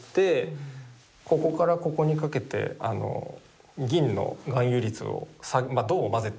ここからここにかけてあの銀の含有率をまあ銅も混ぜてて。